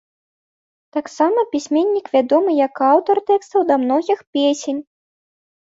Таксама пісьменнік вядомы як аўтар тэкстаў да многіх песень.